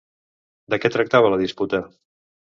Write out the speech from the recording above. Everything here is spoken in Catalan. De què tractava la disputa?